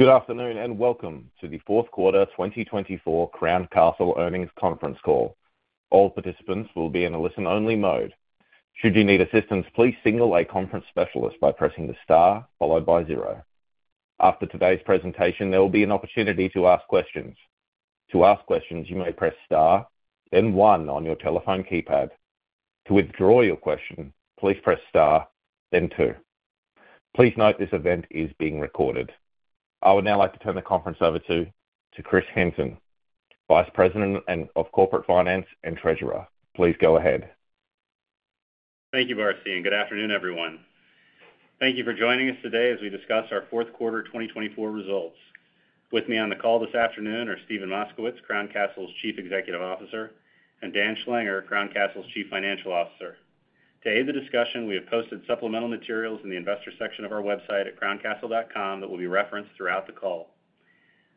Good afternoon and welcome to the Fourth Quarter 2024 Crown Castle Earnings Conference Call. All participants will be in a listen-only mode. Should you need assistance, please signal a conference specialist by pressing the star followed by zero. After today's presentation, there will be an opportunity to ask questions. To ask questions, you may press star, then one on your telephone keypad. To withdraw your question, please press star, then two. Please note this event is being recorded. I would now like to turn the conference over to Kris Hinson, Vice President of Corporate Finance and Treasurer. Please go ahead. Thank you, Marcy. Good afternoon, everyone. Thank you for joining us today as we discuss our fourth quarter 2024 results. With me on the call this afternoon are Steven Moskowitz, Crown Castle's Chief Executive Officer, and Dan Schlanger, Crown Castle's Chief Financial Officer. To aid the discussion, we have posted supplemental materials in the investor section of our website at crowncastle.com that will be referenced throughout the call.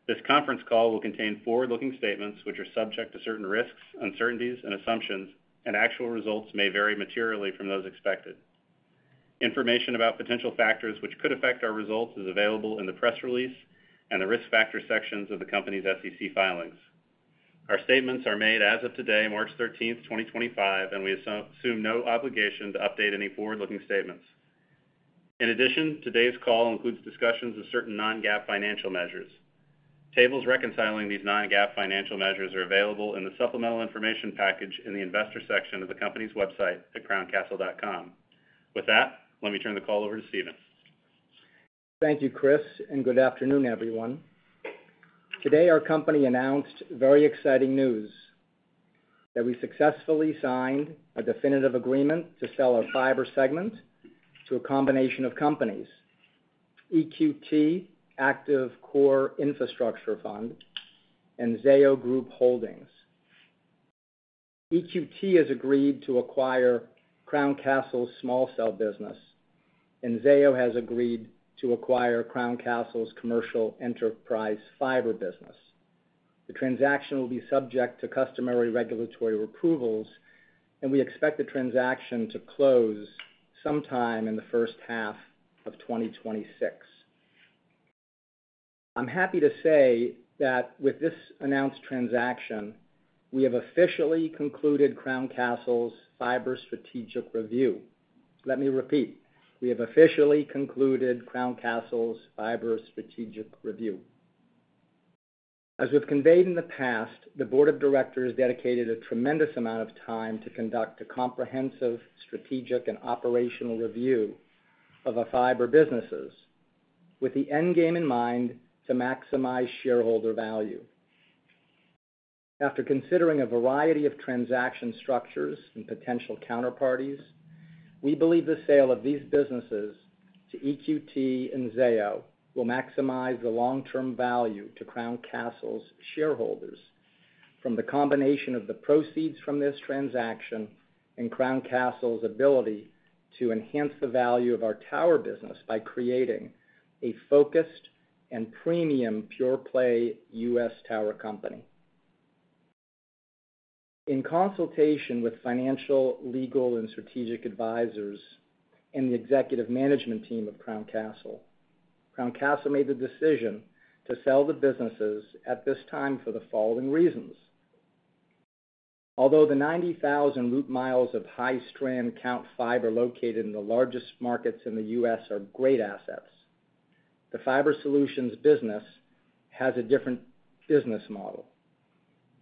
This conference call will contain forward-looking statements, which are subject to certain risks, uncertainties, and assumptions, and actual results may vary materially from those expected. Information about potential factors which could affect our results is available in the press release and the risk factor sections of the company's SEC filings. Our statements are made as of today, March 13, 2025, and we assume no obligation to update any forward-looking statements. In addition, today's call includes discussions of certain non-GAAP financial measures. Tables reconciling these non-GAAP financial measures are available in the supplemental information package in the investor section of the company's website at crowncastle.com. With that, let me turn the call over to Steven. Thank you, Kris, and good afternoon, everyone. Today, our company announced very exciting news: that we successfully signed a definitive agreement to sell our fiber segment to a combination of companies, EQT Active Core Infrastructure fund and Zayo Group Holdings. EQT has agreed to acquire Crown Castle's small cell business, and Zayo has agreed to acquire Crown Castle's commercial enterprise fiber business. The transaction will be subject to customary regulatory approvals, and we expect the transaction to close sometime in the first half of 2026. I'm happy to say that with this announced transaction, we have officially concluded Crown Castle's fiber strategic review. Let me repeat: we have officially concluded Crown Castle's fiber strategic review. As we've conveyed in the past, the Board of Directors dedicated a tremendous amount of time to conduct a comprehensive strategic and operational review of our fiber businesses, with the end game in mind to maximize shareholder value. After considering a variety of transaction structures and potential counterparties, we believe the sale of these businesses to EQT and Zayo will maximize the long-term value to Crown Castle's shareholders from the combination of the proceeds from this transaction and Crown Castle's ability to enhance the value of our tower business by creating a focused and premium pure-play U.S. tower company. In consultation with financial, legal, and strategic advisors and the executive management team of Crown Castle, Crown Castle made the decision to sell the businesses at this time for the following reasons: Although the 90,000 root miles of high-strand count fiber located in the largest markets in the U.S. are great assets, the fiber solutions business has a different business model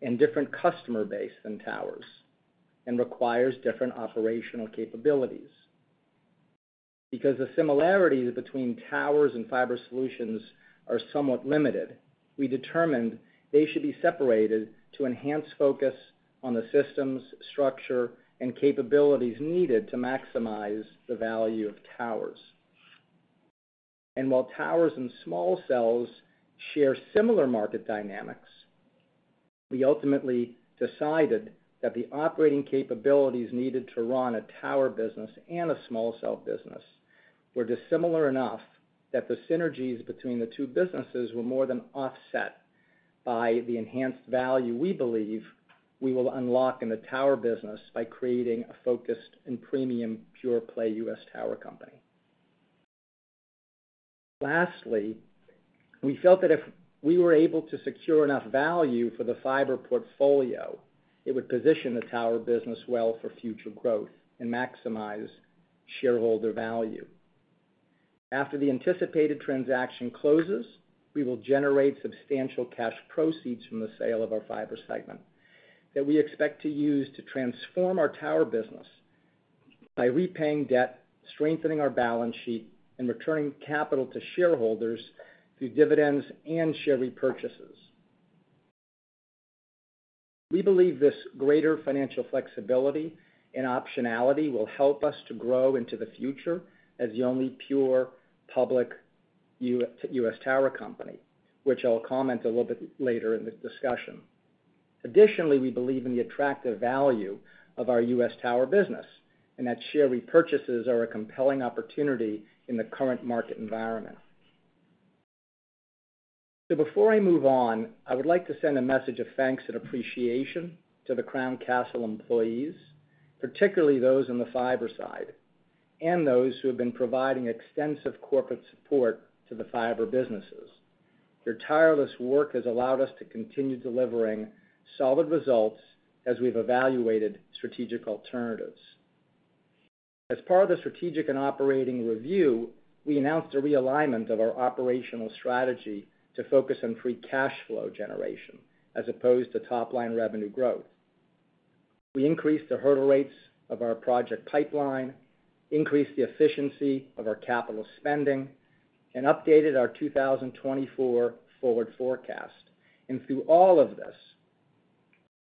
and different customer base than towers and requires different operational capabilities. Because the similarities between towers and fiber solutions are somewhat limited, we determined they should be separated to enhance focus on the systems, structure, and capabilities needed to maximize the value of towers. While towers and small cells share similar market dynamics, we ultimately decided that the operating capabilities needed to run a tower business and a small cell business were dissimilar enough that the synergies between the two businesses were more than offset by the enhanced value we believe we will unlock in the tower business by creating a focused and premium pure-play U.S. tower company. Lastly, we felt that if we were able to secure enough value for the fiber portfolio, it would position the tower business well for future growth and maximize shareholder value. After the anticipated transaction closes, we will generate substantial cash proceeds from the sale of our fiber segment that we expect to use to transform our tower business by repaying debt, strengthening our balance sheet, and returning capital to shareholders through dividends and share repurchases. We believe this greater financial flexibility and optionality will help us to grow into the future as the only pure public U.S. tower company, which I'll comment a little bit later in the discussion. Additionally, we believe in the attractive value of our U.S. tower business and that share repurchases are a compelling opportunity in the current market environment. Before I move on, I would like to send a message of thanks and appreciation to the Crown Castle employees, particularly those on the fiber side and those who have been providing extensive corporate support to the fiber businesses. Your tireless work has allowed us to continue delivering solid results as we've evaluated strategic alternatives. As part of the strategic and operating review, we announced a realignment of our operational strategy to focus on free cash flow generation as opposed to top-line revenue growth. We increased the hurdle rates of our project pipeline, increased the efficiency of our capital spending, and updated our 2024 forward forecast. Through all of this,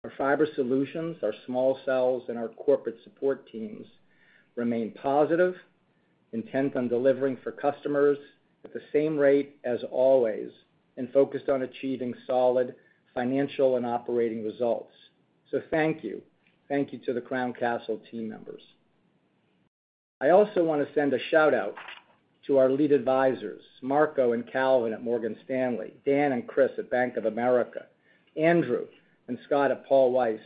our fiber solutions, our small cells, and our corporate support teams remain positive, intent on delivering for customers at the same rate as always, and focused on achieving solid financial and operating results. Thank you. Thank you to the Crown Castle team members. I also want to send a shout-out to our lead advisors, Marco and Calvin at Morgan Stanley, Dan and Chris at Bank of America, Andrew and Scott at Paul, Weiss,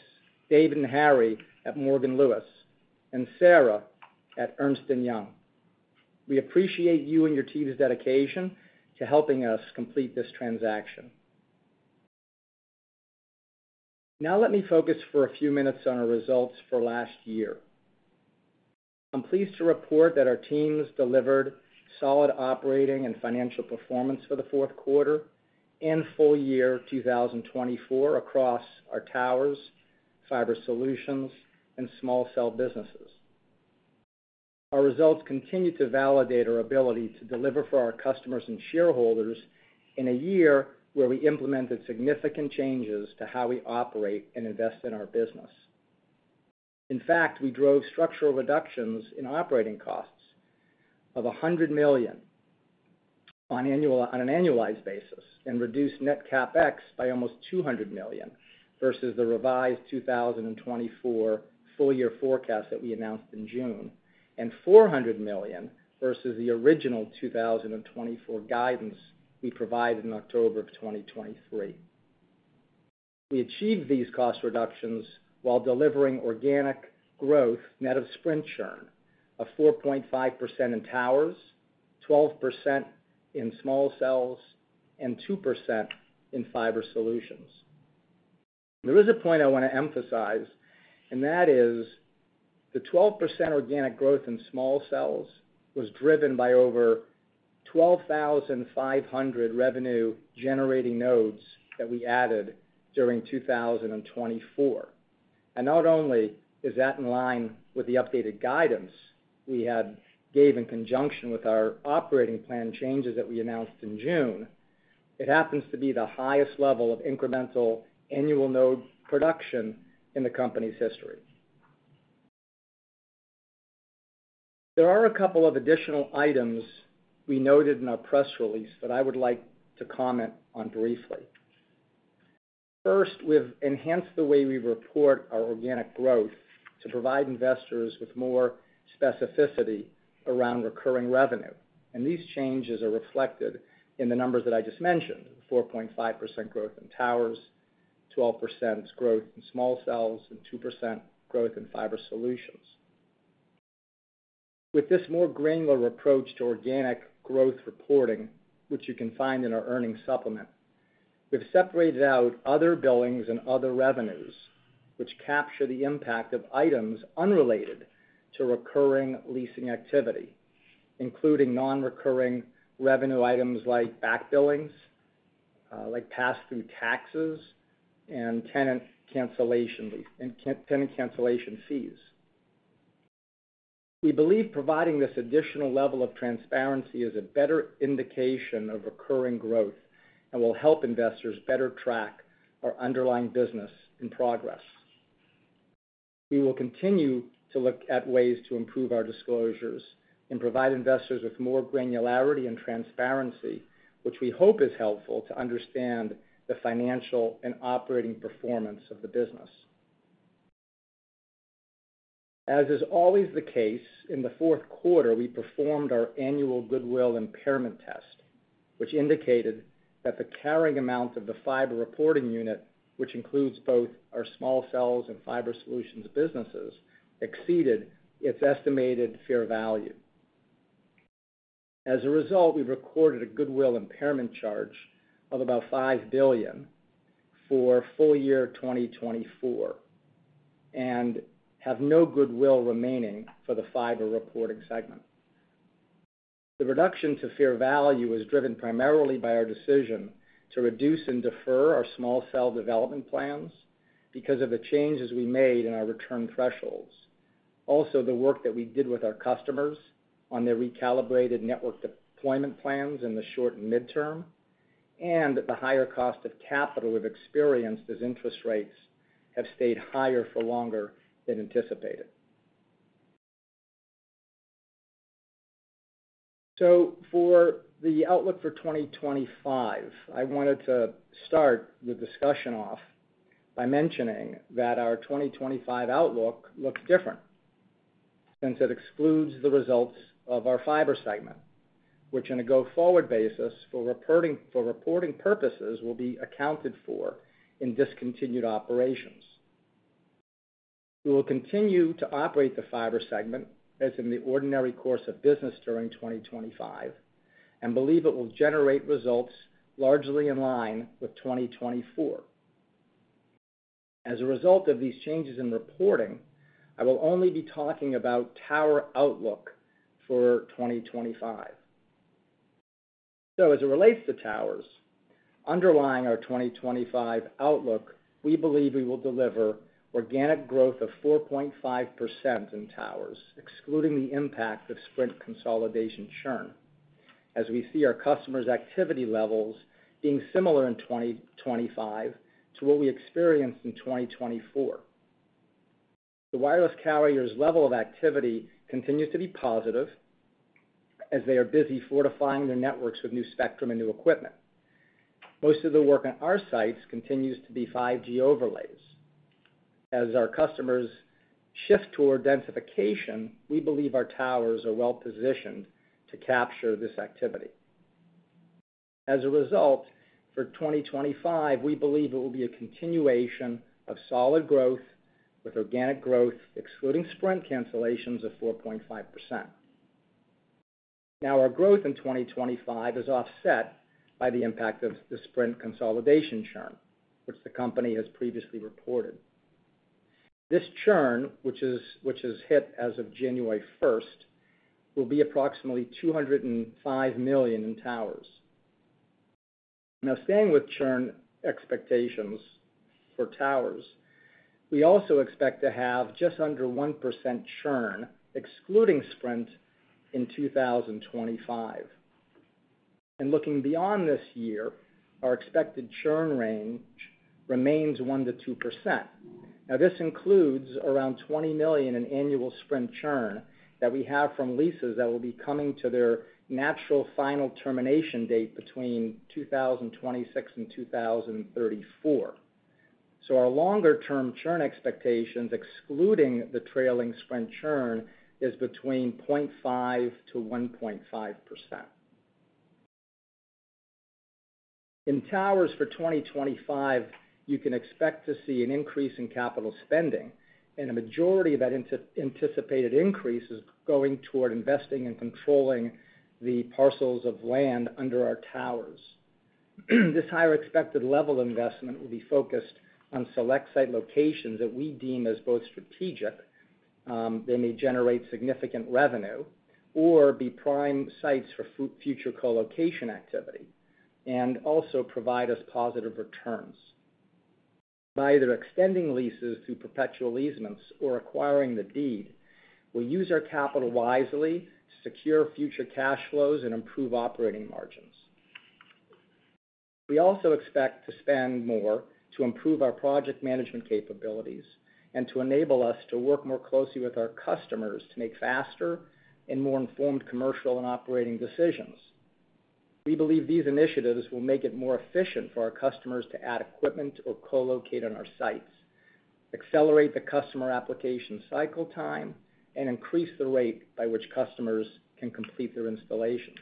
David and Harry at Morgan Lewis, and Sarah at Ernst & Young. We appreciate you and your team's dedication to helping us complete this transaction. Now let me focus for a few minutes on our results for last year. I'm pleased to report that our teams delivered solid operating and financial performance for the fourth quarter and full year 2024 across our towers, fiber solutions, and small cell businesses. Our results continue to validate our ability to deliver for our customers and shareholders in a year where we implemented significant changes to how we operate and invest in our business. In fact, we drove structural reductions in operating costs of $100 million on an annualized basis and reduced net CapEx by almost $200 million versus the revised 2024 full-year forecast that we announced in June and $400 million versus the original 2024 guidance we provided in October of 2023. We achieved these cost reductions while delivering organic growth net of Sprint churn of 4.5% in towers, 12% in small cells, and 2% in fiber solutions. There is a point I want to emphasize, and that is the 12% organic growth in small cells was driven by over 12,500 revenue-generating nodes that we added during 2024. Not only is that in line with the updated guidance we had given in conjunction with our operating plan changes that we announced in June, it happens to be the highest level of incremental annual node production in the company's history. There are a couple of additional items we noted in our press release that I would like to comment on briefly. First, we've enhanced the way we report our organic growth to provide investors with more specificity around recurring revenue. These changes are reflected in the numbers that I just mentioned: 4.5% growth in towers, 12% growth in small cells, and 2% growth in fiber solutions. With this more granular approach to organic growth reporting, which you can find in our earnings supplement, we've separated out other billings and other revenues, which capture the impact of items unrelated to recurring leasing activity, including non-recurring revenue items like back billings, like pass-through taxes, and tenant cancellation fees. We believe providing this additional level of transparency is a better indication of recurring growth and will help investors better track our underlying business and progress. We will continue to look at ways to improve our disclosures and provide investors with more granularity and transparency, which we hope is helpful to understand the financial and operating performance of the business. As is always the case, in the fourth quarter, we performed our annual goodwill impairment test, which indicated that the carrying amount of the fiber reporting unit, which includes both our small cells and fiber solutions businesses, exceeded its estimated fair value. As a result, we recorded a goodwill impairment charge of about $5 billion for full year 2024 and have no goodwill remaining for the fiber reporting segment. The reduction to fair value was driven primarily by our decision to reduce and defer our small cell development plans because of the changes we made in our return thresholds. Also, the work that we did with our customers on their recalibrated network deployment plans in the short and midterm, and the higher cost of capital we've experienced as interest rates have stayed higher for longer than anticipated. For the outlook for 2025, I wanted to start the discussion off by mentioning that our 2025 outlook looks different since it excludes the results of our fiber segment, which on a go-forward basis for reporting purposes will be accounted for in discontinued operations. We will continue to operate the fiber segment as in the ordinary course of business during 2025 and believe it will generate results largely in line with 2024. As a result of these changes in reporting, I will only be talking about tower outlook for 2025. As it relates to towers, underlying our 2025 outlook, we believe we will deliver organic growth of 4.5% in towers, excluding the impact of Sprint consolidation churn, as we see our customers' activity levels being similar in 2025 to what we experienced in 2024. The wireless carrier's level of activity continues to be positive as they are busy fortifying their networks with new spectrum and new equipment. Most of the work on our sites continues to be 5G overlays. As our customers shift toward densification, we believe our towers are well-positioned to capture this activity. As a result, for 2025, we believe it will be a continuation of solid growth with organic growth, excluding Sprint cancellations, of 4.5%. Our growth in 2025 is offset by the impact of the Sprint consolidation churn, which the company has previously reported. This churn, which has hit as of January 1st, will be approximately $205 million in towers. Now, staying with churn expectations for towers, we also expect to have just under 1% churn, excluding Sprint in 2025. Looking beyond this year, our expected churn range remains 1-2%. This includes around $20 million in annual Sprint churn that we have from leases that will be coming to their natural final termination date between 2026 and 2034. Our longer-term churn expectations, excluding the trailing Sprint churn, is between 0.5-1.5%. In towers for 2025, you can expect to see an increase in capital spending, and a majority of that anticipated increase is going toward investing in controlling the parcels of land under our towers. This higher expected level of investment will be focused on select site locations that we deem as both strategic, they may generate significant revenue or be prime sites for future co-location activity and also provide us positive returns. By either extending leases through perpetual easements or acquiring the deed, we'll use our capital wisely to secure future cash flows and improve operating margins. We also expect to spend more to improve our project management capabilities and to enable us to work more closely with our customers to make faster and more informed commercial and operating decisions. We believe these initiatives will make it more efficient for our customers to add equipment or co-locate on our sites, accelerate the customer application cycle time, and increase the rate by which customers can complete their installations.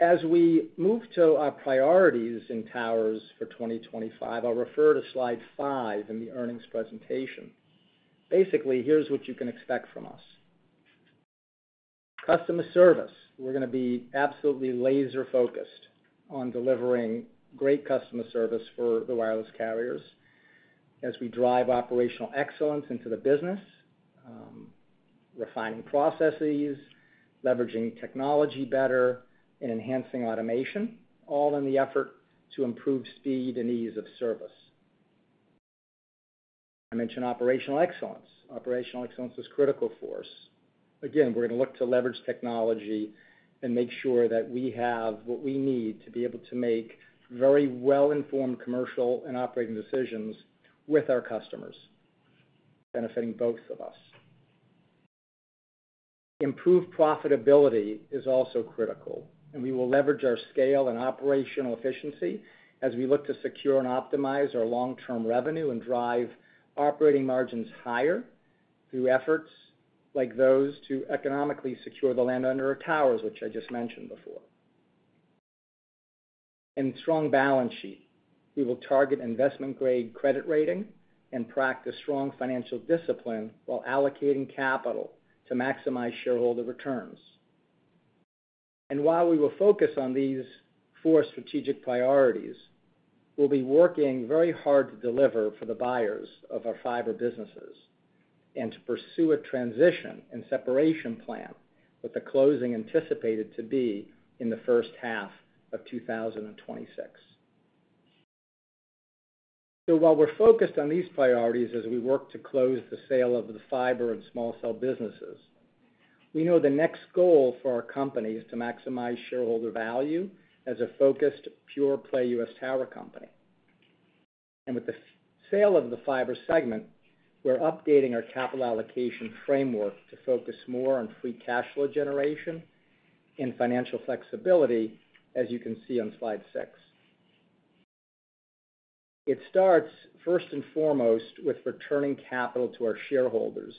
As we move to our priorities in towers for 2025, I'll refer to slide five in the earnings presentation. Basically, here's what you can expect from us. Customer service, we're going to be absolutely laser-focused on delivering great customer service for the wireless carriers as we drive operational excellence into the business, refining processes, leveraging technology better, and enhancing automation, all in the effort to improve speed and ease of service. I mentioned operational excellence. Operational excellence is critical for us. Again, we're going to look to leverage technology and make sure that we have what we need to be able to make very well-informed commercial and operating decisions with our customers, benefiting both of us. Improved profitability is also critical, and we will leverage our scale and operational efficiency as we look to secure and optimize our long-term revenue and drive operating margins higher through efforts like those to economically secure the land under our towers, which I just mentioned before. With a strong balance sheet, we will target investment-grade credit rating and practice strong financial discipline while allocating capital to maximize shareholder returns. While we will focus on these four strategic priorities, we'll be working very hard to deliver for the buyers of our fiber businesses and to pursue a transition and separation plan with the closing anticipated to be in the first half of 2026. While we're focused on these priorities as we work to close the sale of the fiber and small cell businesses, we know the next goal for our company is to maximize shareholder value as a focused pure-play U.S. tower company. With the sale of the fiber segment, we're updating our capital allocation framework to focus more on free cash flow generation and financial flexibility, as you can see on slide six. It starts first and foremost with returning capital to our shareholders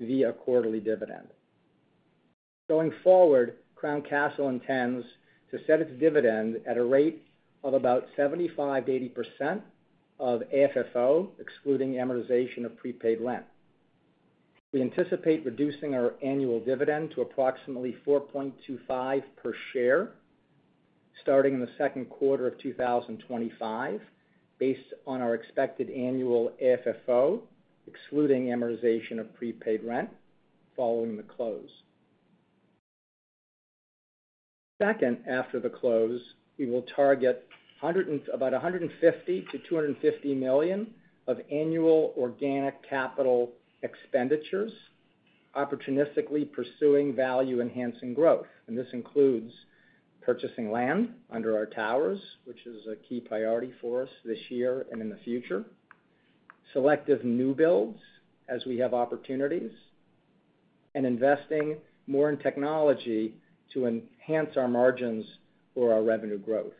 via a quarterly dividend. Going forward, Crown Castle intends to set its dividend at a rate of about 75%-80% of AFFO, excluding amortization of prepaid rent. We anticipate reducing our annual dividend to approximately $4.25 per share starting in the second quarter of 2025, based on our expected annual AFFO, excluding amortization of prepaid rent following the close. Second, after the close, we will target about $150 million-$250 million of annual organic capital expenditures, opportunistically pursuing value-enhancing growth. This includes purchasing land under our towers, which is a key priority for us this year and in the future, selective new builds as we have opportunities, and investing more in technology to enhance our margins or our revenue growth.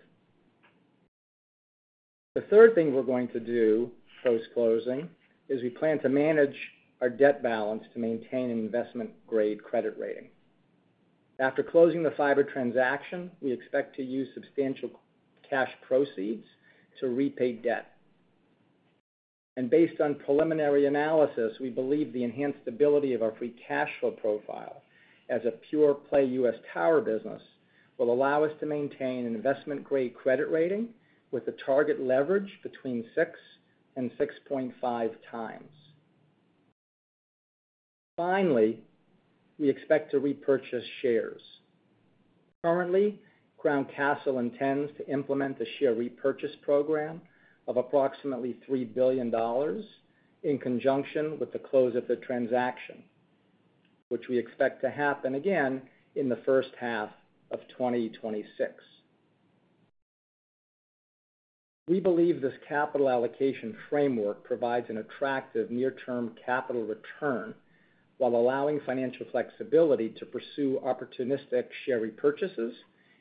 The third thing we are going to do post-closing is we plan to manage our debt balance to maintain an investment-grade credit rating. After closing the fiber transaction, we expect to use substantial cash proceeds to repay debt. Based on preliminary analysis, we believe the enhanced ability of our free cash flow profile as a pure-play U.S. tower business will allow us to maintain an investment-grade credit rating with a target leverage between 6 and 6.5 times. Finally, we expect to repurchase shares. Currently, Crown Castle intends to implement a share repurchase program of approximately $3 billion in conjunction with the close of the transaction, which we expect to happen again in the first half of 2026. We believe this capital allocation framework provides an attractive near-term capital return while allowing financial flexibility to pursue opportunistic share repurchases,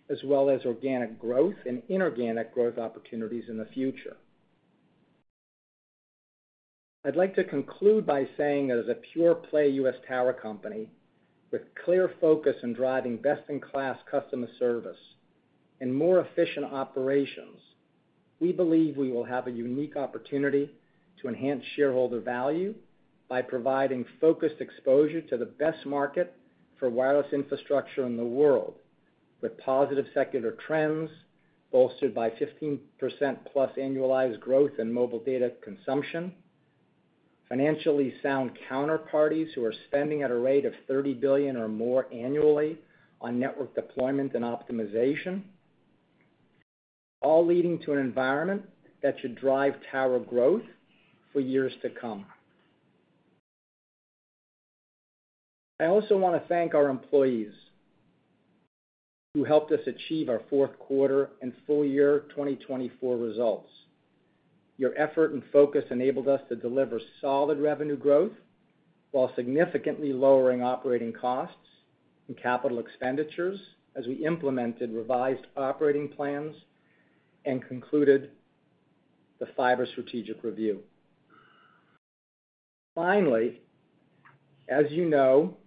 as well as organic growth and inorganic growth opportunities in the future. I'd like to conclude by saying that as a pure-play U.S. Tower company with clear focus on driving best-in-class customer service and more efficient operations, we believe we will have a unique opportunity to enhance shareholder value by providing focused exposure to the best market for wireless infrastructure in the world, with positive secular trends bolstered by 15%+ annualized growth in mobile data consumption, financially sound counterparties who are spending at a rate of $30 billion or more annually on network deployment and optimization, all leading to an environment that should drive tower growth for years to come. I also want to thank our employees who helped us achieve our fourth quarter and full year 2024 results. Your effort and focus enabled us to deliver solid revenue growth while significantly lowering operating costs and capital expenditures as we implemented revised operating plans and concluded the fiber strategic review. Finally, as you know,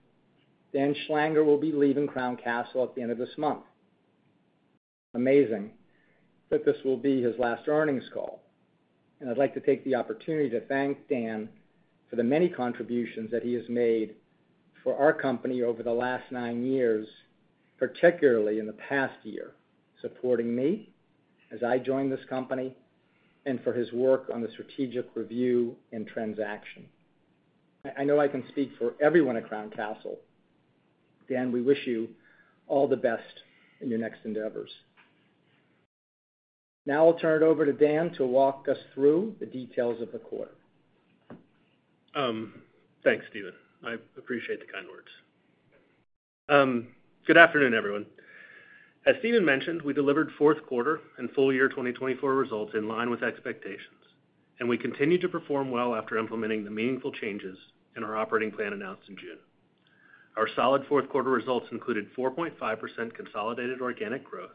Dan Schlanger will be leaving Crown Castle at the end of this month. Amazing that this will be his last earnings call. I would like to take the opportunity to thank Dan for the many contributions that he has made for our company over the last nine years, particularly in the past year, supporting me as I joined this company and for his work on the strategic review and transaction. I know I can speak for everyone at Crown Castle. Dan, we wish you all the best in your next endeavors. Now I will turn it over to Dan to walk us through the details of the quarter. Thanks, Steven. I appreciate the kind words. Good afternoon, everyone. As Steven mentioned, we delivered fourth quarter and full year 2024 results in line with expectations, and we continue to perform well after implementing the meaningful changes in our operating plan announced in June. Our solid fourth quarter results included 4.5% consolidated organic growth,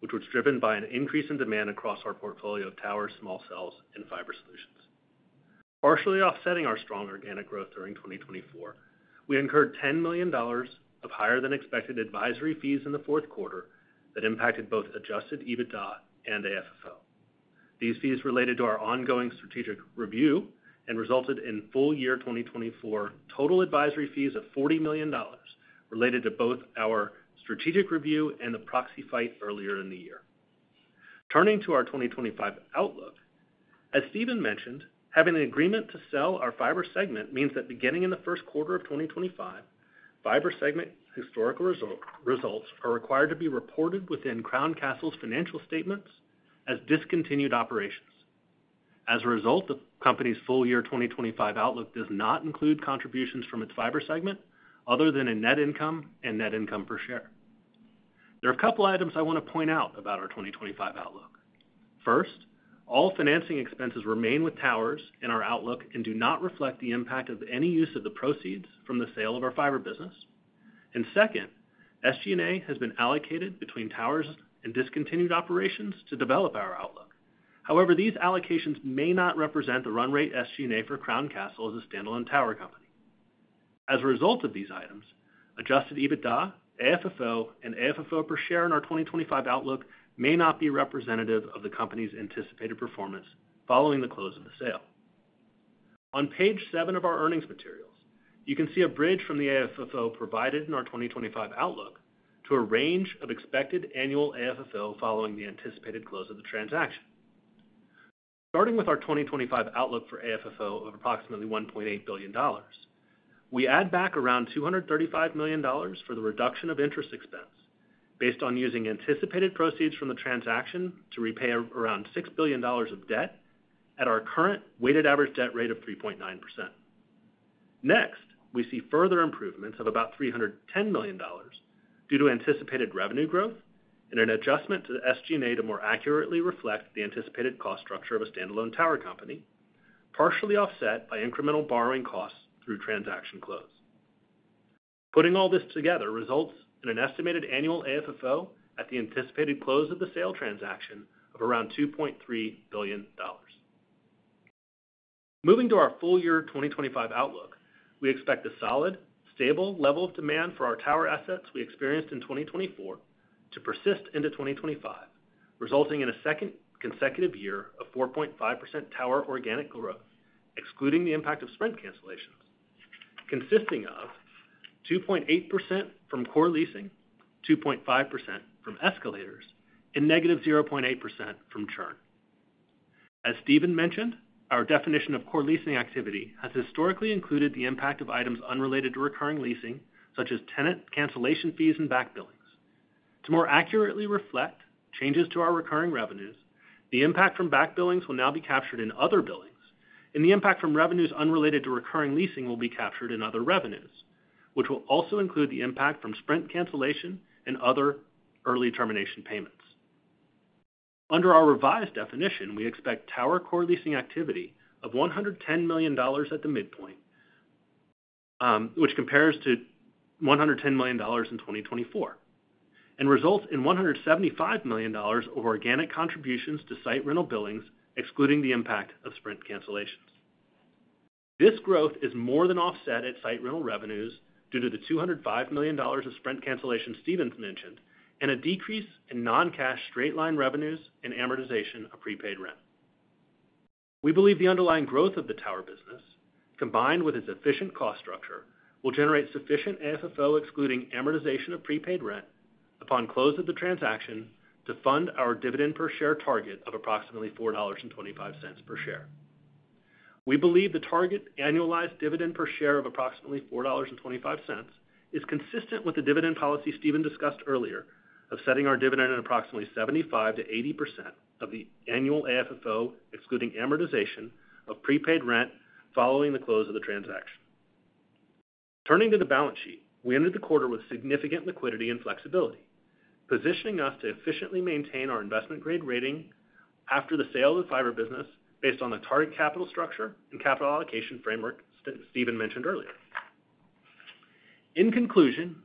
which was driven by an increase in demand across our portfolio of towers, small cells, and fiber solutions. Partially offsetting our strong organic growth during 2024, we incurred $10 million of higher-than-expected advisory fees in the fourth quarter that impacted both adjusted EBITDA and AFFO. These fees related to our ongoing strategic review and resulted in full year 2024 total advisory fees of $40 million related to both our strategic review and the proxy fight earlier in the year. Turning to our 2025 outlook, as Steven mentioned, having an agreement to sell our fiber segment means that beginning in the first quarter of 2025, fiber segment historical results are required to be reported within Crown Castle's financial statements as discontinued operations. As a result, the company's full year 2025 outlook does not include contributions from its fiber segment other than net income and net income per share. There are a couple of items I want to point out about our 2025 outlook. First, all financing expenses remain with towers in our outlook and do not reflect the impact of any use of the proceeds from the sale of our fiber business. Second, SG&A has been allocated between towers and discontinued operations to develop our outlook. However, these allocations may not represent the run rate SG&A for Crown Castle as a standalone tower company. As a result of these items, adjusted EBITDA, AFFO, and AFFO per share in our 2025 outlook may not be representative of the company's anticipated performance following the close of the sale. On page seven of our earnings materials, you can see a bridge from the AFFO provided in our 2025 outlook to a range of expected annual AFFO following the anticipated close of the transaction. Starting with our 2025 outlook for AFFO of approximately $1.8 billion, we add back around $235 million for the reduction of interest expense based on using anticipated proceeds from the transaction to repay around $6 billion of debt at our current weighted average debt rate of 3.9%. Next, we see further improvements of about $310 million due to anticipated revenue growth and an adjustment to the SG&A to more accurately reflect the anticipated cost structure of a standalone tower company, partially offset by incremental borrowing costs through transaction close. Putting all this together results in an estimated annual AFFO at the anticipated close of the sale transaction of around $2.3 billion. Moving to our full year 2025 outlook, we expect a solid, stable level of demand for our tower assets we experienced in 2024 to persist into 2025, resulting in a second consecutive year of 4.5% tower organic growth, excluding the impact of Sprint cancellations, consisting of 2.8% from core leasing, 2.5% from escalators, and negative 0.8% from churn. As Steven mentioned, our definition of core leasing activity has historically included the impact of items unrelated to recurring leasing, such as tenant cancellation fees and back billings. To more accurately reflect changes to our recurring revenues, the impact from back billings will now be captured in other billings, and the impact from revenues unrelated to recurring leasing will be captured in other revenues, which will also include the impact from Sprint cancellation and other early termination payments. Under our revised definition, we expect tower core leasing activity of $110 million at the midpoint, which compares to $110 million in 2024, and results in $175 million of organic contributions to site rental billings, excluding the impact of Sprint cancellations. This growth is more than offset at site rental revenues due to the $205 million of Sprint cancellation Steven mentioned and a decrease in non-cash straight line revenues and amortization of prepaid rent. We believe the underlying growth of the tower business, combined with its efficient cost structure, will generate sufficient AFFO, excluding amortization of prepaid rent upon close of the transaction, to fund our dividend per share target of approximately $4.25 per share. We believe the target annualized dividend per share of approximately $4.25 is consistent with the dividend policy Steven discussed earlier of setting our dividend at approximately 75% to 80% of the annual AFFO, excluding amortization of prepaid rent following the close of the transaction. Turning to the balance sheet, we ended the quarter with significant liquidity and flexibility, positioning us to efficiently maintain our investment-grade rating after the sale of the fiber business based on the target capital structure and capital allocation framework Steven mentioned earlier. In conclusion,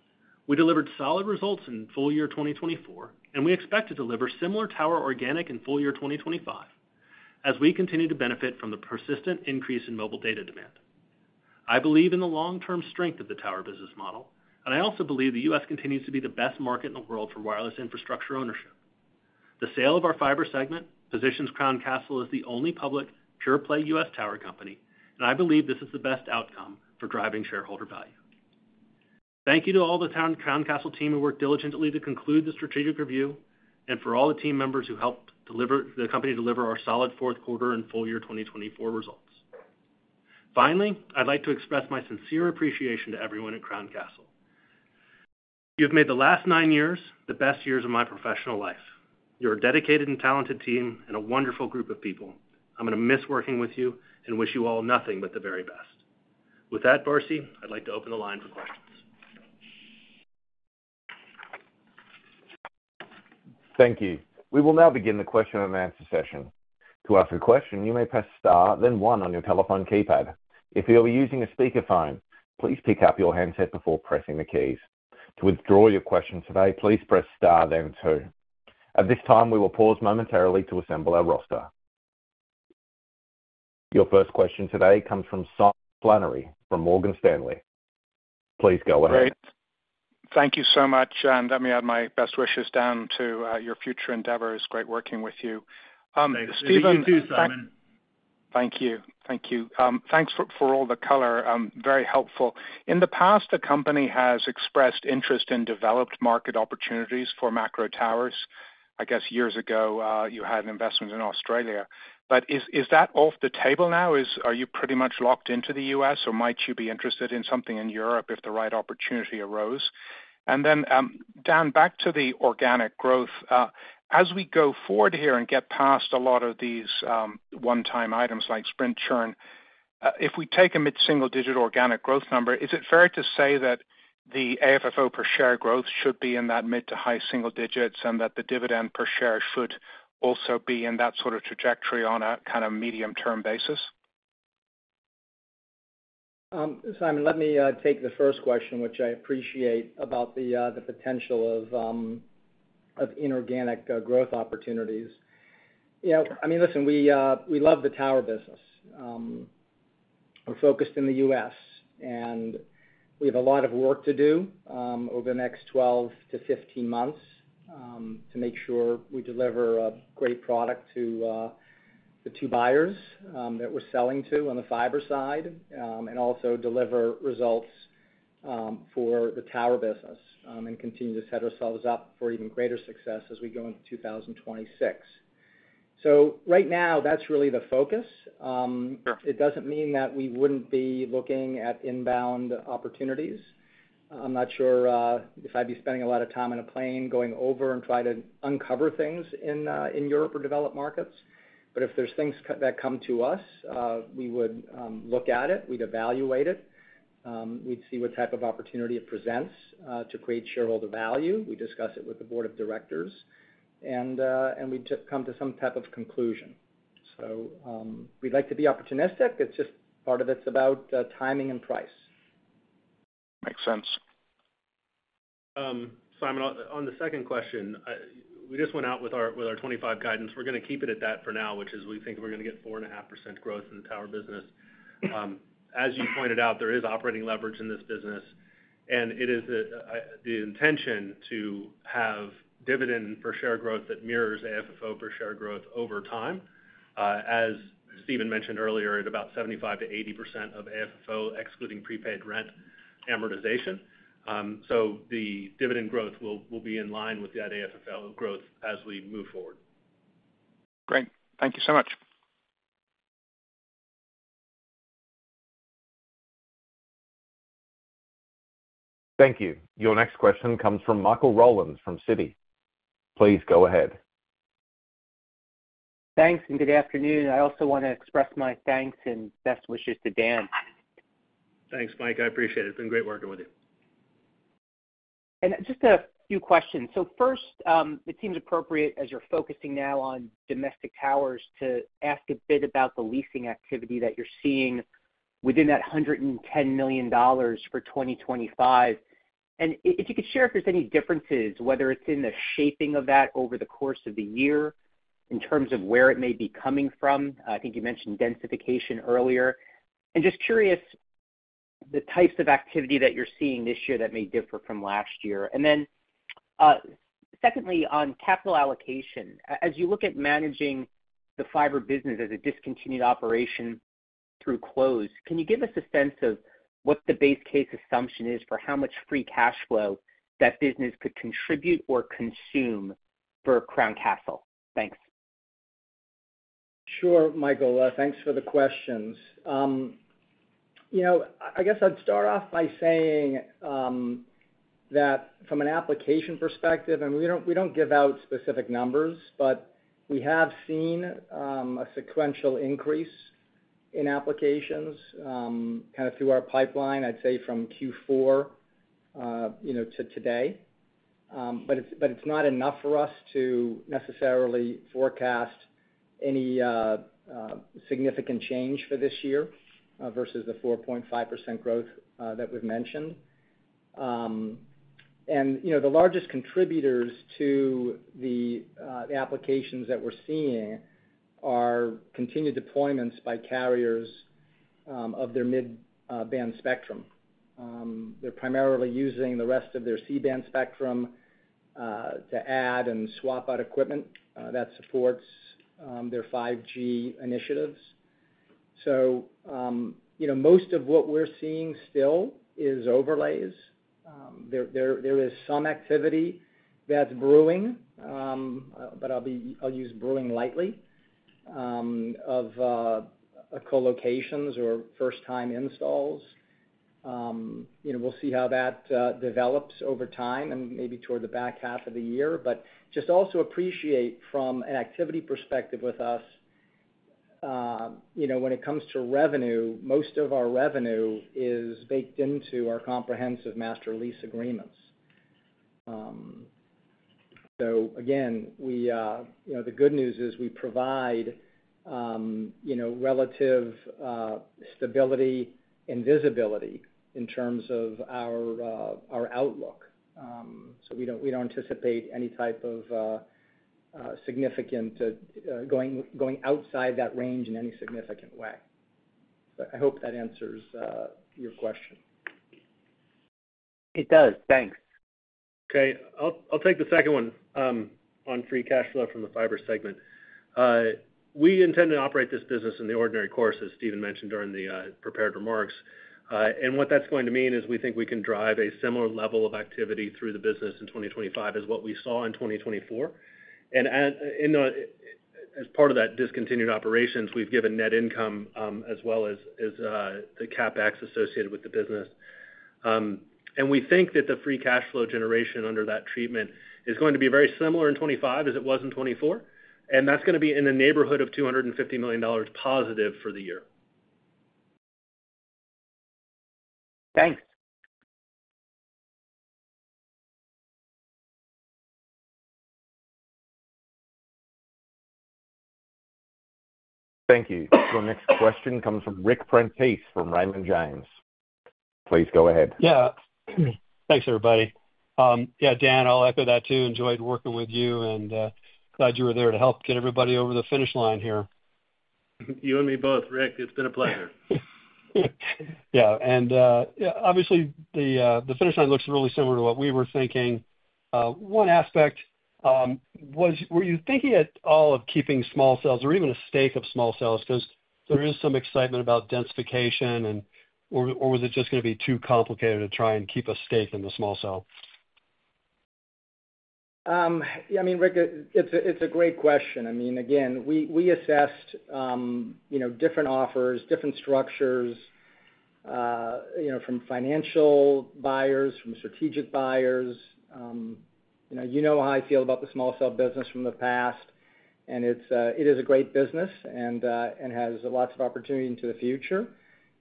we delivered solid results in full year 2024, and we expect to deliver similar tower organic in full year 2025 as we continue to benefit from the persistent increase in mobile data demand. I believe in the long-term strength of the tower business model, and I also believe the U.S. continues to be the best market in the world for wireless infrastructure ownership. The sale of our fiber segment positions Crown Castle as the only public pure-play U.S. tower company, and I believe this is the best outcome for driving shareholder value. Thank you to all the Crown Castle team who worked diligently to conclude the strategic review and for all the team members who helped the company deliver our solid fourth quarter and full year 2024 results. Finally, I'd like to express my sincere appreciation to everyone at Crown Castle. You have made the last nine years the best years of my professional life. You're a dedicated and talented team and a wonderful group of people. I'm going to miss working with you and wish you all nothing but the very best. With that, Marcy, I'd like to open the line for questions. Thank you. We will now begin the question and answer session. To ask a question, you may press star, then one on your telephone keypad. If you're using a speakerphone, please pick up your handset before pressing the keys. To withdraw your question today, please press star, then two. At this time, we will pause momentarily to assemble our roster. Your first question today comes from Simon Flannery from Morgan Stanley. Please go ahead. Great. Thank you so much. Let me add my best wishes down to your future endeavors. Great working with you. Thank you, Steven. Thank you. Thank you. Thanks for all the color. Very helpful. In the past, the company has expressed interest in developed market opportunities for macro towers. I guess years ago, you had investments in Australia. Is that off the table now? Are you pretty much locked into the U.S., or might you be interested in something in Europe if the right opportunity arose? Dan, back to the organic growth. As we go forward here and get past a lot of these one-time items like Sprint churn, if we take a single-digit organic growth number, is it fair to say that the AFFO per share growth should be in that mid to high single digits and that the dividend per share should also be in that sort of trajectory on a kind of medium-term basis? Simon, let me take the first question, which I appreciate about the potential of inorganic growth opportunities. I mean, listen, we love the tower business. We're focused in the U.S., and we have a lot of work to do over the next 12 to 15 months to make sure we deliver a great product to the two buyers that we're selling to on the fiber side and also deliver results for the tower business and continue to set ourselves up for even greater success as we go into 2026. Right now, that's really the focus. It doesn't mean that we wouldn't be looking at inbound opportunities. I'm not sure if I'd be spending a lot of time on a plane going over and try to uncover things in Europe or develop markets. If there's things that come to us, we would look at it. We'd evaluate it. We'd see what type of opportunity it presents to create shareholder value. We'd discuss it with the board of directors, and we'd come to some type of conclusion. We'd like to be opportunistic. It's just part of it's about timing and price. Makes sense. Simon, on the second question, we just went out with our 2025 guidance. We're going to keep it at that for now, which is we think we're going to get 4.5% growth in the tower business. As you pointed out, there is operating leverage in this business, and it is the intention to have dividend per share growth that mirrors AFFO per share growth over time. As Steven mentioned earlier, at about 75% to 80% of AFFO, excluding prepaid rent amortization. The dividend growth will be in line with that AFFO growth as we move forward. Great. Thank you so much. Thank you. Your next question comes from Michael Rollins from Citi. Please go ahead. Thanks and good afternoon. I also want to express my thanks and best wishes to Dan. Thanks, Mike. I appreciate it. It's been great working with you. Just a few questions. First, it seems appropriate, as you're focusing now on domestic towers, to ask a bit about the leasing activity that you're seeing within that $110 million for 2025. If you could share if there's any differences, whether it's in the shaping of that over the course of the year in terms of where it may be coming from. I think you mentioned densification earlier. Just curious, the types of activity that you're seeing this year that may differ from last year. Then secondly, on capital allocation, as you look at managing the fiber business as a discontinued operation through close, can you give us a sense of what the base case assumption is for how much free cash flow that business could contribute or consume for Crown Castle? Thanks. Sure, Michael. Thanks for the questions. I guess I'd start off by saying that from an application perspective, and we do not give out specific numbers, but we have seen a sequential increase in applications kind of through our pipeline, I'd say from Q4 to today. It is not enough for us to necessarily forecast any significant change for this year versus the 4.5% growth that we have mentioned. The largest contributors to the applications that we are seeing are continued deployments by carriers of their mid-band spectrum. They're primarily using the rest of their C-band spectrum to add and swap out equipment that supports their 5G initiatives. Most of what we're seeing still is overlays. There is some activity that's brewing, but I'll use brewing lightly, of co-locations or first-time installs. We'll see how that develops over time and maybe toward the back half of the year. Also appreciate from an activity perspective with us, when it comes to revenue, most of our revenue is baked into our comprehensive master lease agreements. The good news is we provide relative stability and visibility in terms of our outlook. We don't anticipate any type of significant going outside that range in any significant way. I hope that answers your question. It does. Thanks. Okay. I'll take the second one on free cash flow from the fiber segment. We intend to operate this business in the ordinary course, as Steven mentioned during the prepared remarks. What that is going to mean is we think we can drive a similar level of activity through the business in 2025 as what we saw in 2024. As part of that discontinued operations, we have given net income as well as the CapEx associated with the business. We think that the free cash flow generation under that treatment is going to be very similar in 2025 as it was in 2024. That is going to be in the neighborhood of $250 million positive for the year. Thanks. Thank you. Your next question comes from Ric Prentiss from Raymond James. Please go ahead. Yeah. Thanks, everybody. Yeah, Dan, I will echo that too. Enjoyed working with you and glad you were there to help get everybody over the finish line here. You and me both, Ric. It's been a pleasure. Yeah. Obviously, the finish line looks really similar to what we were thinking. One aspect, were you thinking at all of keeping small cells or even a stake of small cells? Because there is some excitement about densification, or was it just going to be too complicated to try and keep a stake in the small cell? Yeah. I mean, Ric, it's a great question. I mean, again, we assessed different offers, different structures from financial buyers, from strategic buyers. You know how I feel about the small cell business from the past, and it is a great business and has lots of opportunity into the future.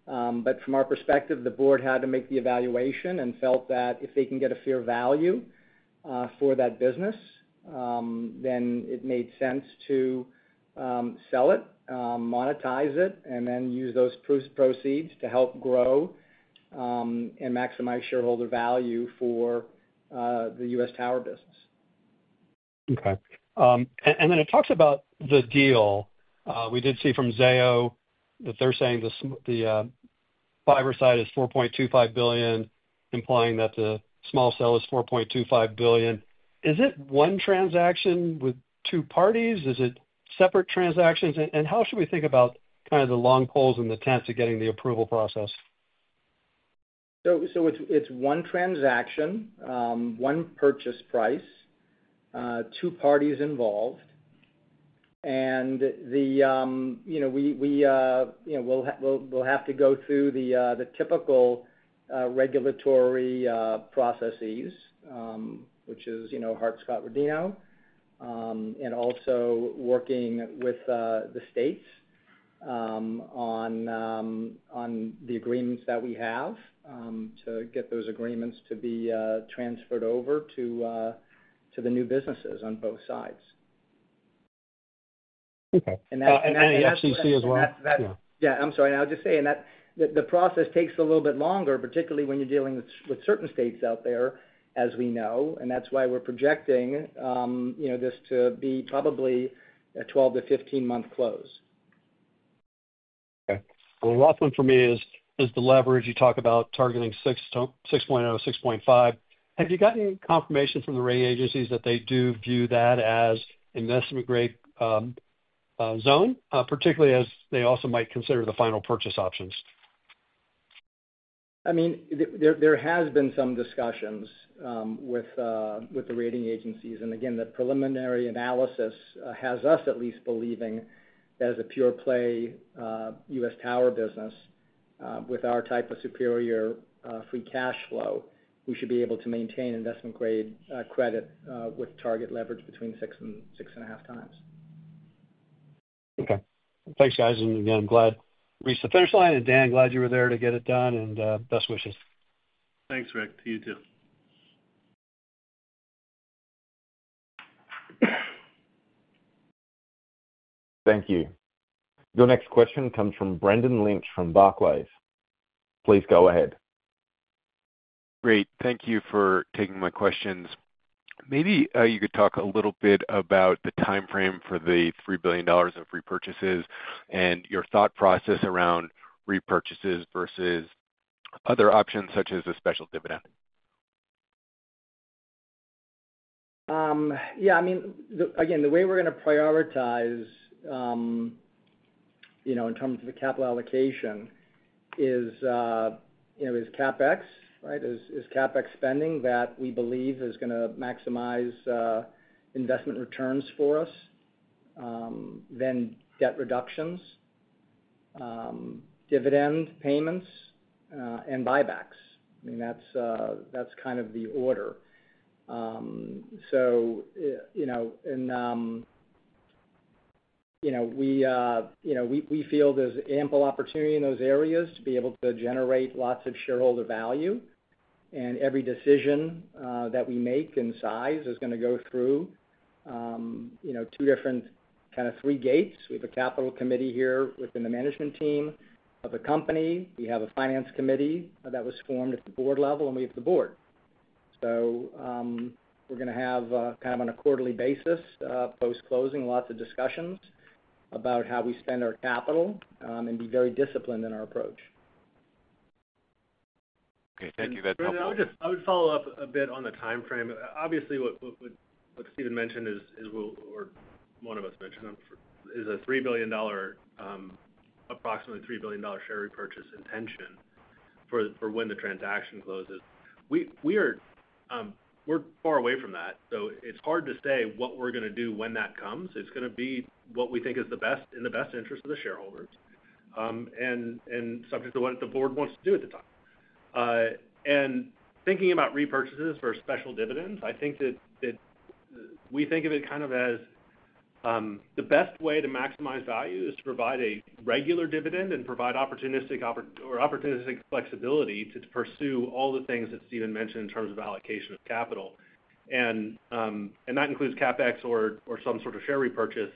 From our perspective, the board had to make the evaluation and felt that if they can get a fair value for that business, then it made sense to sell it, monetize it, and then use those proceeds to help grow and maximize shareholder value for the U.S. tower business. Okay. It talks about the deal. We did see from Zayo that they're saying the fiber side is $4.25 billion, implying that the small cell is $4.25 billion. Is it one transaction with two parties? Is it separate transactions? How should we think about kind of the long poles and the tents of getting the approval process? It is one transaction, one purchase price, two parties involved. We will have to go through the typical regulatory processes, which is Hart-Scott-Rodino, and also working with the states on the agreements that we have to get those agreements to be transferred over to the new businesses on both sides. Okay. That is the FCC as well. Yeah. I'm sorry. I'll just say, the process takes a little bit longer, particularly when you're dealing with certain states out there, as we know. That is why we're projecting this to be probably a 12-15 month close. Okay. The last one for me is the leverage. You talk about targeting 6.0-6.5. Have you gotten confirmation from the rating agencies that they do view that as investment-grade zone, particularly as they also might consider the final purchase options? I mean, there has been some discussions with the rating agencies. Again, the preliminary analysis has us at least believing that as a pure-play U.S. tower business with our type of superior free cash flow, we should be able to maintain investment-grade credit with target leverage between six and six and a half times. Okay. Thanks, guys. Again, I'm glad we reached the finish line. Dan, glad you were there to get it done. Best wishes. Thanks, Ric. To you too. Thank you. Your next question comes from Brendan Lynch from Barclays. Please go ahead. Great. Thank you for taking my questions. Maybe you could talk a little bit about the timeframe for the $3 billion in repurchases and your thought process around repurchases versus other options such as a special dividend. Yeah. I mean, again, the way we're going to prioritize in terms of the capital allocation is CapEx, right? Is CapEx spending that we believe is going to maximize investment returns for us, then debt reductions, dividend payments, and buybacks. I mean, that's kind of the order. We feel there's ample opportunity in those areas to be able to generate lots of shareholder value. Every decision that we make in size is going to go through two different kind of three gates. We have a capital committee here within the management team of the company. We have a finance committee that was formed at the board level, and we have the board. We're going to have kind of on a quarterly basis, post-closing, lots of discussions about how we spend our capital and be very disciplined in our approach. Okay. Thank you. That's helpful. I would follow up a bit on the timeframe. Obviously, what Steven mentioned is, or one of us mentioned, is a $3 billion, approximately $3 billion share repurchase intention for when the transaction closes. We are far away from that. It is hard to say what we are going to do when that comes. It is going to be what we think is in the best interest of the shareholders and subject to what the board wants to do at the time. Thinking about repurchases or special dividends, I think that we think of it kind of as the best way to maximize value is to provide a regular dividend and provide opportunistic or opportunistic flexibility to pursue all the things that Steven mentioned in terms of allocation of capital. That includes CapEx or some sort of share repurchase.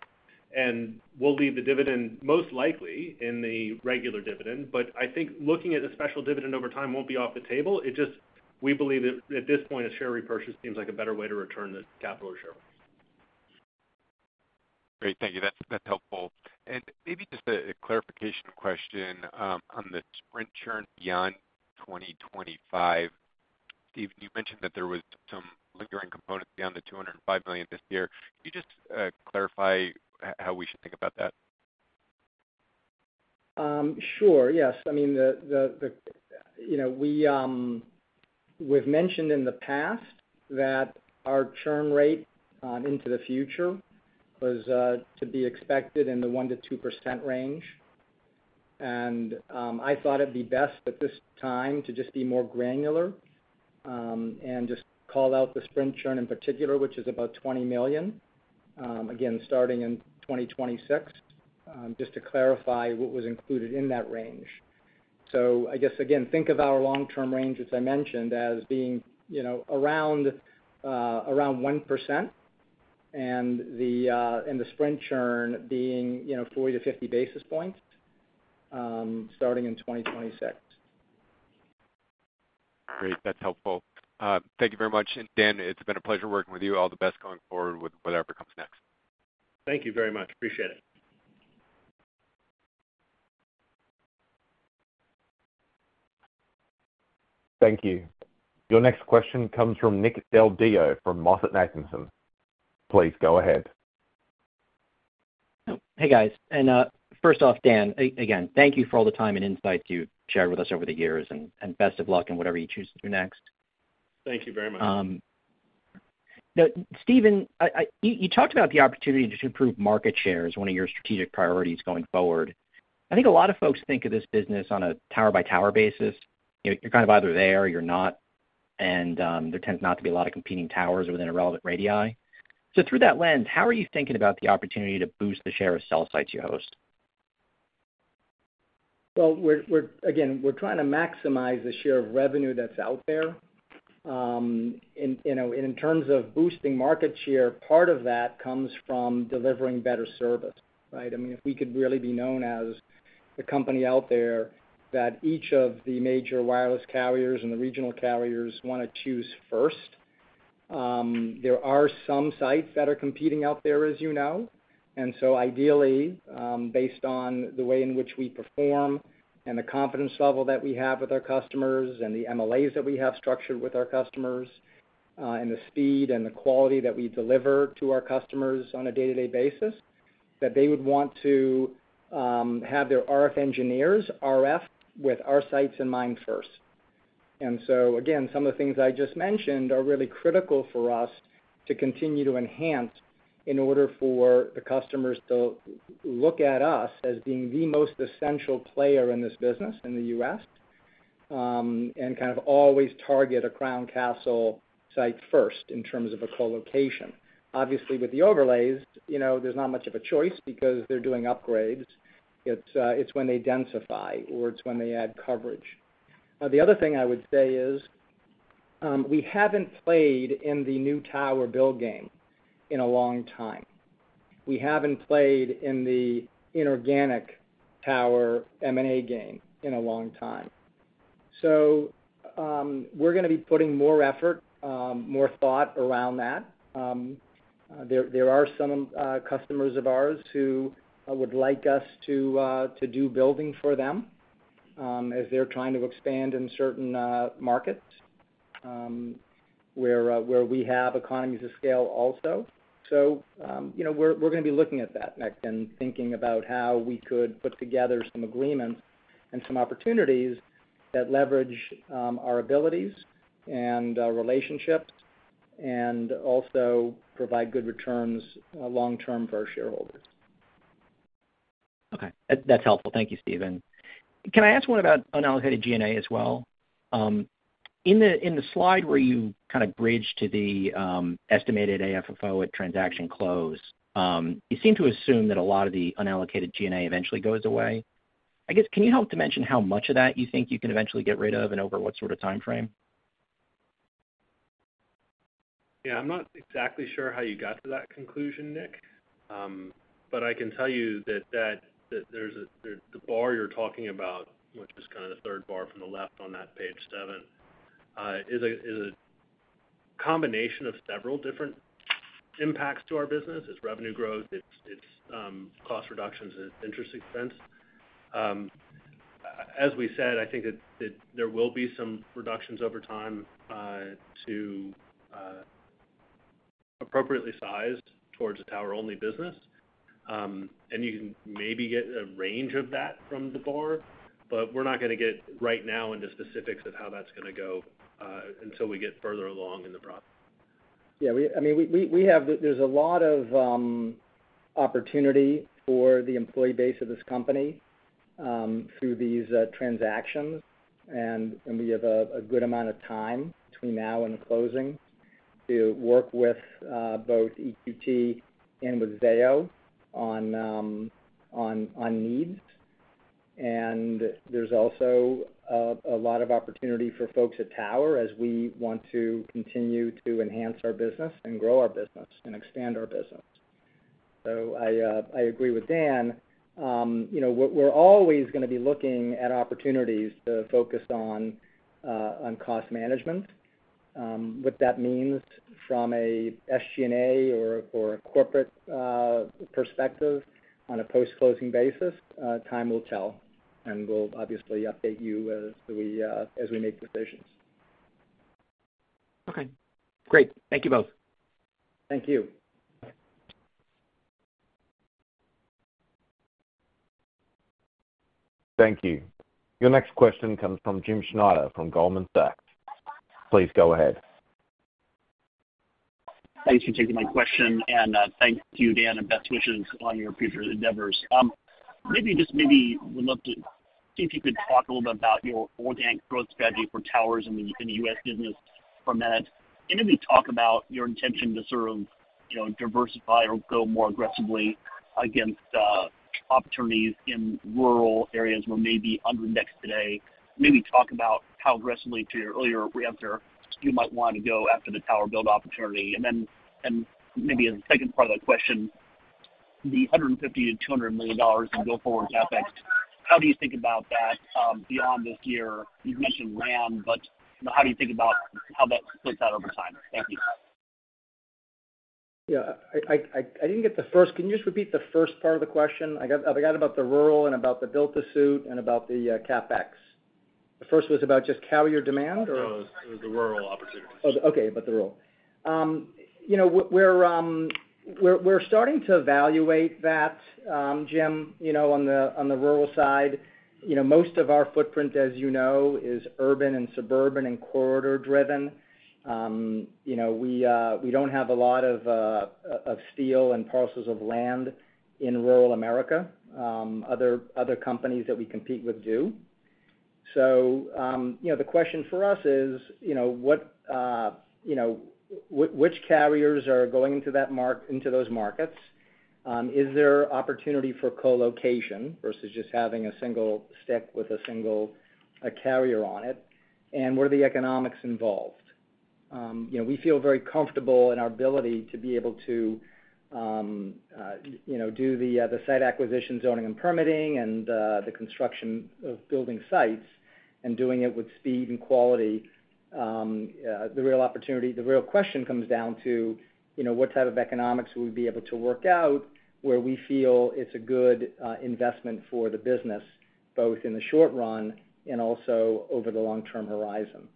We will leave the dividend most likely in the regular dividend. I think looking at the special dividend over time will not be off the table. It just, we believe that at this point, a share repurchase seems like a better way to return the capital or share repurchase. Great. Thank you. That is helpful. Maybe just a clarification question on the Sprint churn beyond 2025. Steven, you mentioned that there was some lingering component beyond the $205 million this year. Can you just clarify how we should think about that? Sure. Yes. I mean, we have mentioned in the past that our churn rate into the future was to be expected in the 1%-2% range. I thought it would be best at this time to just be more granular and just call out the Sprint churn in particular, which is about $20 million, again, starting in 2026, just to clarify what was included in that range. I guess, again, think of our long-term range, as I mentioned, as being around 1% and the Sprint churn being 40-50 basis points starting in 2026. Great. That's helpful. Thank you very much. Dan, it's been a pleasure working with you. All the best going forward with whatever comes next. Thank you very much. Appreciate it. Thank you. Your next question comes from Nick Del Deo from Moffett Nathanson. Please go ahead. Hey, guys. First off, Dan, again, thank you for all the time and insights you've shared with us over the years. Best of luck in whatever you choose to do next. Thank you very much. Now, Steven, you talked about the opportunity to improve market share as one of your strategic priorities going forward. I think a lot of folks think of this business on a tower-by-tower basis. You're kind of either there or you're not. There tends not to be a lot of competing towers within a relevant radii. Through that lens, how are you thinking about the opportunity to boost the share of cell sites you host? Again, we're trying to maximize the share of revenue that's out there. In terms of boosting market share, part of that comes from delivering better service, right? I mean, if we could really be known as the company out there that each of the major wireless carriers and the regional carriers want to choose first, there are some sites that are competing out there, as you know. Ideally, based on the way in which we perform and the confidence level that we have with our customers and the MLAs that we have structured with our customers and the speed and the quality that we deliver to our customers on a day-to-day basis, they would want to have their RF engineers, RF, with our sites in mind first. Some of the things I just mentioned are really critical for us to continue to enhance in order for the customers to look at us as being the most essential player in this business in the U.S. and kind of always target a Crown Castle site first in terms of a co-location. Obviously, with the overlays, there is not much of a choice because they are doing upgrades. It is when they densify or it is when they add coverage. The other thing I would say is we haven't played in the new tower build game in a long time. We haven't played in the inorganic tower M&A game in a long time. We are going to be putting more effort, more thought around that. There are some customers of ours who would like us to do building for them as they are trying to expand in certain markets where we have economies of scale also. We are going to be looking at that next and thinking about how we could put together some agreements and some opportunities that leverage our abilities and our relationships and also provide good returns long-term for our shareholders. Okay. That's helpful. Thank you, Steven. Can I ask one about unallocated G&A as well? In the slide where you kind of bridge to the estimated AFFO at transaction close, you seem to assume that a lot of the unallocated G&A eventually goes away. I guess, can you help to mention how much of that you think you can eventually get rid of and over what sort of timeframe? Yeah. I'm not exactly sure how you got to that conclusion, Nick, but I can tell you that the bar you're talking about, which is kind of the third bar from the left on that page seven, is a combination of several different impacts to our business. It's revenue growth. It's cost reductions and interest expense. As we said, I think that there will be some reductions over time to appropriately size towards a tower-only business. You can maybe get a range of that from the bar, but we're not going to get right now into specifics of how that's going to go until we get further along in the process. Yeah. I mean, there's a lot of opportunity for the employee base of this company through these transactions. We have a good amount of time between now and the closing to work with both EQT and with Zayo on needs. There's also a lot of opportunity for folks at Tower as we want to continue to enhance our business and grow our business and expand our business. I agree with Dan. We're always going to be looking at opportunities to focus on cost management. What that means from an SG&A or a corporate perspective on a post-closing basis, time will tell. We'll obviously update you as we make decisions. Okay. Great. Thank you both. Thank you. Thank you. Your next question comes from Jim Schneider from Goldman Sachs. Please go ahead. Thanks for taking my question. And thank you, Dan, and best wishes on your future endeavors. Maybe just maybe would love to see if you could talk a little bit about your organic growth strategy for towers in the U.S. business from that. And maybe talk about your intention to sort of diversify or go more aggressively against opportunities in rural areas where maybe undernext today. Maybe talk about how aggressively, to your earlier answer, you might want to go after the tower build opportunity. And then maybe as a second part of that question, the $150 million-$200 million in GoForward CapEx, how do you think about that beyond this year? You've mentioned RAM, but how do you think about how that splits out over time? Thank you. Yeah. I did not get the first. Can you just repeat the first part of the question? I got about the rural and about the built to suit and about the CapEx. The first was about just carrier demand, or? No, it was the rural opportunity. Oh, okay. About the rural. We are starting to evaluate that, Jim, on the rural side. Most of our footprint, as you know, is urban and suburban and corridor-driven. We do not have a lot of steel and parcels of land in rural America. Other companies that we compete with do. The question for us is, which carriers are going into those markets? Is there opportunity for co-location versus just having a single stick with a single carrier on it? What are the economics involved? We feel very comfortable in our ability to be able to do the site acquisition, zoning, and permitting and the construction of building sites and doing it with speed and quality. The real opportunity, the real question comes down to what type of economics will we be able to work out where we feel it's a good investment for the business, both in the short run and also over the long-term horizon.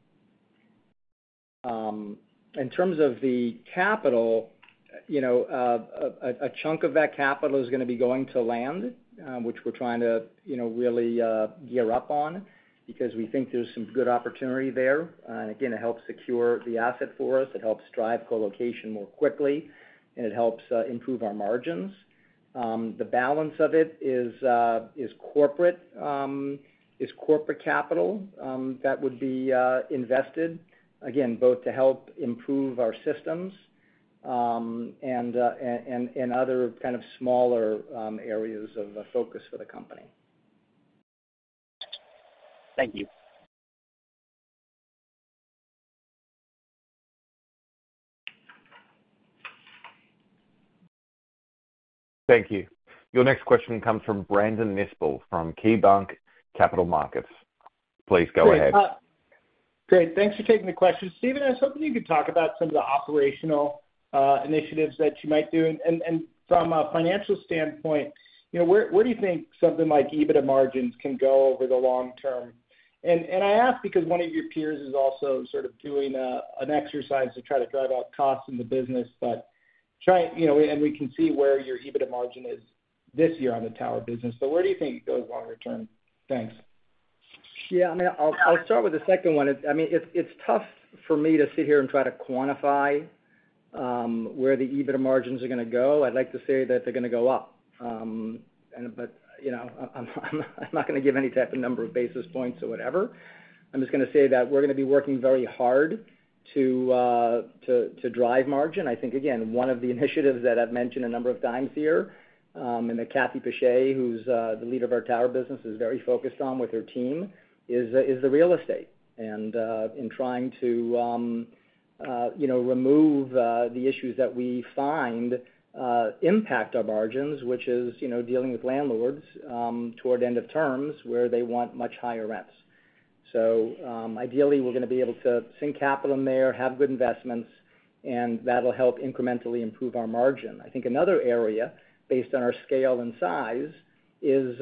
In terms of the capital, a chunk of that capital is going to be going to land, which we're trying to really gear up on because we think there's some good opportunity there. It helps secure the asset for us. It helps drive co-location more quickly, and it helps improve our margins. The balance of it is corporate capital that would be invested, again, both to help improve our systems and other kind of smaller areas of focus for the company. Thank you. Thank you. Your next question comes from Brandon Nispel from KeyBanc Capital Markets. Please go ahead. Great. Thanks for taking the question. Steven, I was hoping you could talk about some of the operational initiatives that you might do. And from a financial standpoint, where do you think something like EBITDA margins can go over the long term? I ask because one of your peers is also sort of doing an exercise to try to drive out costs in the business. Try and we can see where your EBITDA margin is this year on the tower business. Where do you think it goes longer term? Thanks. Yeah. I mean, I'll start with the second one. I mean, it's tough for me to sit here and try to quantify where the EBITDA margins are going to go. I'd like to say that they're going to go up. I'm not going to give any type of number of basis points or whatever. I'm just going to say that we're going to be working very hard to drive margin. I think, again, one of the initiatives that I've mentioned a number of times here and that Cathy Piche, who's the leader of our tower business, is very focused on with her team is the real estate and in trying to remove the issues that we find impact our margins, which is dealing with landlords toward end of terms where they want much higher rents. Ideally, we're going to be able to sink capital in there, have good investments, and that'll help incrementally improve our margin. I think another area, based on our scale and size, is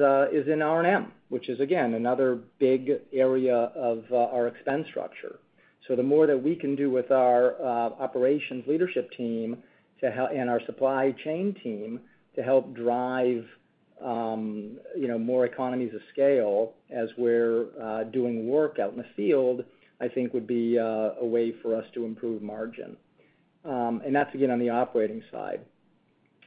in R&M, which is, again, another big area of our expense structure. The more that we can do with our operations leadership team and our supply chain team to help drive more economies of scale as we're doing work out in the field, I think would be a way for us to improve margin. That's, again, on the operating side.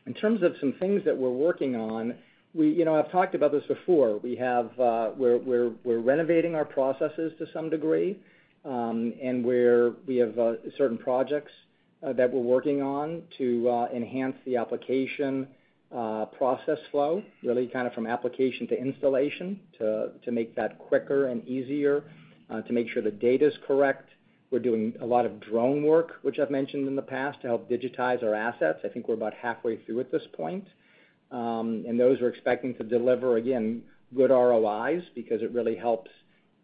In terms of some things that we're working on, I've talked about this before. We're renovating our processes to some degree. We have certain projects that we're working on to enhance the application process flow, really kind of from application to installation to make that quicker and easier to make sure the data is correct. We're doing a lot of drone work, which I've mentioned in the past, to help digitize our assets. I think we're about halfway through at this point. Those we're expecting to deliver, again, good ROIs because it really helps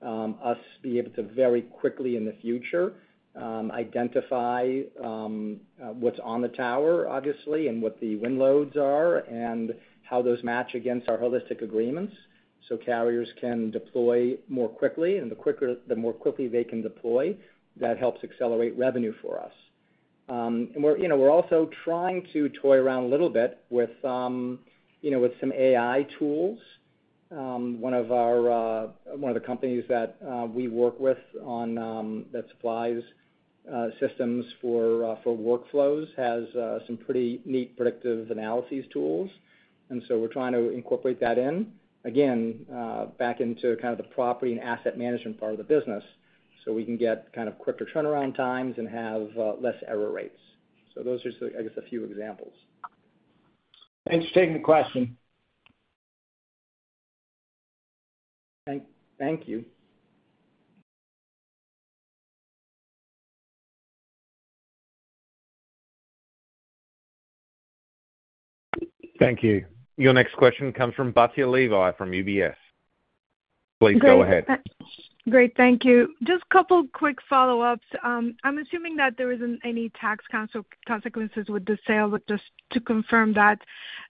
us be able to very quickly in the future identify what's on the tower, obviously, and what the wind loads are and how those match against our holistic agreements so carriers can deploy more quickly. The more quickly they can deploy, that helps accelerate revenue for us. We're also trying to toy around a little bit with some AI tools. One of the companies that we work with that supplies systems for workflows has some pretty neat predictive analysis tools. We're trying to incorporate that in, again, back into kind of the property and asset management part of the business so we can get kind of quicker turnaround times and have less error rates. Those are just, I guess, a few examples. Thanks for taking the question. Thank you. Thank you. Your next question comes from Batya Levi from UBS. Please go ahead. Great. Thank you. Just a couple of quick follow-ups. I'm assuming that there isn't any tax consequences with the sale, but just to confirm that.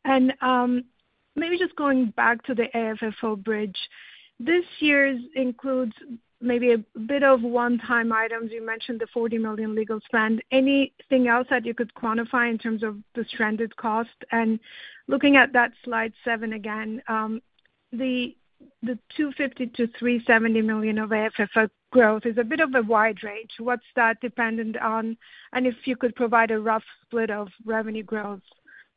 Maybe just going back to the AFFO bridge, this year's includes maybe a bit of one-time items. You mentioned the $40 million legal spend. Anything else that you could quantify in terms of the stranded cost? Looking at that slide seven again, the $250 million-$370 million of AFFO growth is a bit of a wide range. What's that dependent on? If you could provide a rough split of revenue growth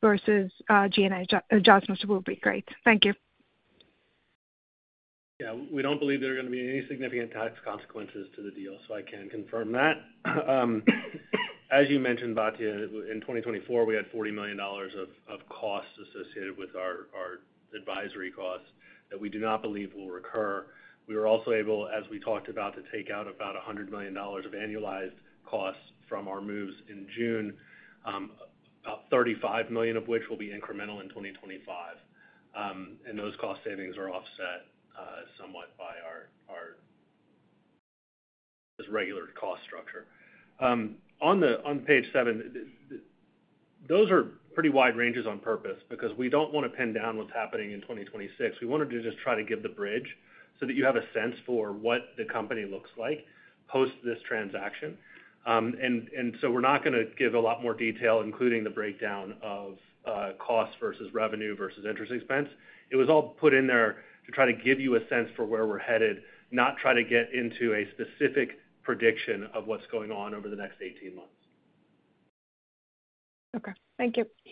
versus G&A adjustments, that will be great. Thank you. Yeah. We don't believe there are going to be any significant tax consequences to the deal, so I can confirm that. As you mentioned, Batya, in 2024, we had $40 million of costs associated with our advisory costs that we do not believe will recur. We were also able, as we talked about, to take out about $100 million of annualized costs from our moves in June, about $35 million of which will be incremental in 2025. Those cost savings are offset somewhat by our regular cost structure. On page seven, those are pretty wide ranges on purpose because we do not want to pin down what is happening in 2026. We wanted to just try to give the bridge so that you have a sense for what the company looks like post this transaction. We are not going to give a lot more detail, including the breakdown of costs versus revenue versus interest expense. It was all put in there to try to give you a sense for where we're headed, not try to get into a specific prediction of what's going on over the next 18 months. Okay. Thank you.